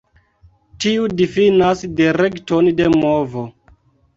Tiu difinas direkton de movo.